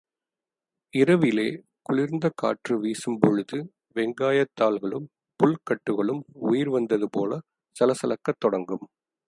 இரவிலே குளிர்ந்த காற்று வீசும் பொழுது வெங்காயத் தாள்களும், புல் கட்டுகளும் உயிர் வந்தது போல சலசலக்கத் தொடங்கும்.